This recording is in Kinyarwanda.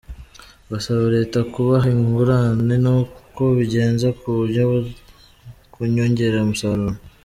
Basaba leta kubaha nkunganire nk’uko ibigenza ku nyongeramusaruro.